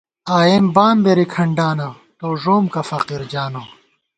آئېم بامبېری کھڈانہ تو ݫوم کہ فقیر جانہ